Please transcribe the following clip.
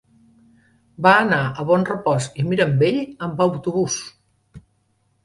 Va anar a Bonrepòs i Mirambell amb autobús.